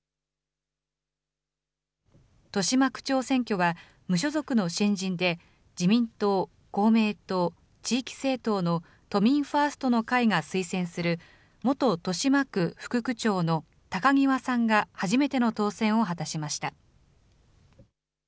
豊島区長選挙は無所属の新人で自民党、公明党、地域政党の都民ファーストの会が推薦する元豊島区副区長の高際さんが初めての当選を果たしました。